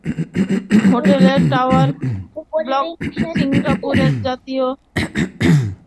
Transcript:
হোটেলের tower block সিঙ্গাপুরের জাতীয় স্মৃতিস্তম্ভ হিসাবে গেজেট করা হয়েছে।